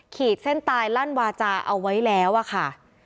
ขีดเส้นตายลั่นวาจาเอาไว้แล้วอะค่ะ